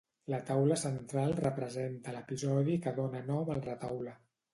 La taula central representa l'episodi que dóna nom al retaule.